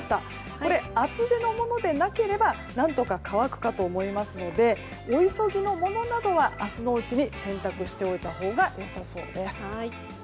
これ厚手のものでなければ何とか乾くかと思いますのでお急ぎのものなどは明日のうちに洗濯しておいたほうが良さそうです。